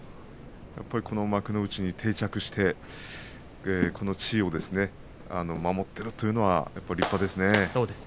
やっぱりこの幕内に定着してこの地位を守っているというのは立派ですね。